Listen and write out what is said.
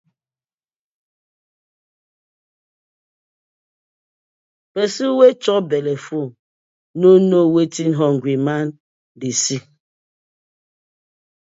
Person wey chop belle full, no know wetin hungry man dey see: